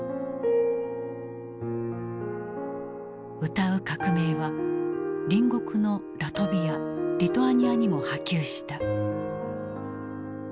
「歌う革命」は隣国のラトビアリトアニアにも波及した。